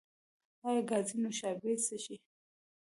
ایا ګازي نوشابې څښئ؟